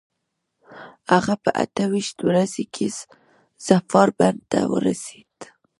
هغه په اته ویشت ورځي کې ظفار بندر ته ورسېد.